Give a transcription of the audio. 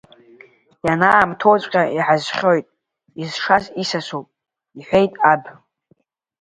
Ианаамҭоуҵәҟьа иҳазхьоит, изшаз исасуп, – иҳәеит аб.